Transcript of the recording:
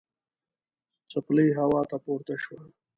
څپلۍ هوا ته پورته شوه.